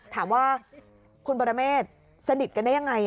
ถามว่าคุณปรเมฆสนิทกันได้ยังไง